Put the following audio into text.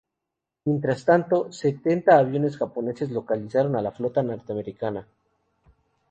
Mientras tanto, setenta aviones japoneses localizaron a la flota norteamericana.